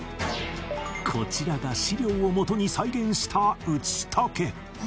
こちらが資料を基に再現した打竹